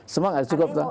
semua enggak cukup pak